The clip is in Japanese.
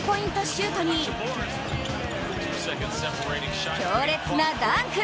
シュートに強烈なダンク！